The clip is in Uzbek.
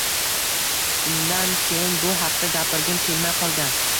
Shundan keyin bu haqda gapirgim kelmay qolgan